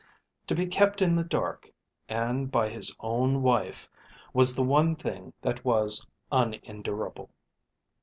To be kept in the dark, and by his own wife, was the one thing that was unendurable.